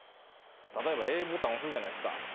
例えばＡボタン押すじゃないですか。